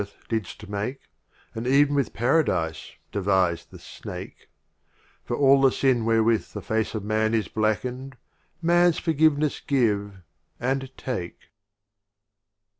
Khayyam didst make, And ev'n with Paradise devise the Snake : For all the Sin wherewith the Face of Man Is blacken'd — Man's forgiveness give — and take!